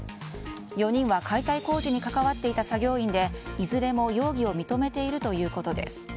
４人は解体工事に関わっていた作業員でいずれも容疑を認めているということです。